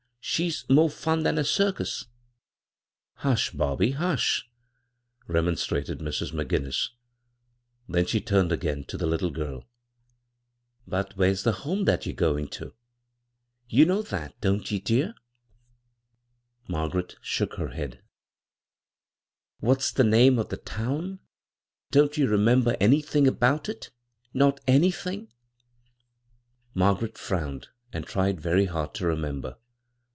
She's more fun than a circus 1 "" Hush, Bobby, hush," remonstrated Mrs. McGinnis ; then she turned again to the Htde girL " But Where's the home that yer goaa' to? You know that ; don't ye, dear ?" Margaipet shook her head. 35 bvGoog[c i CROSS CURRENTS *' What* s the name of the town ? Don't ye retnember anythm' about it ?— not anythin' ?" Margaret frowned and tried very hard to remember.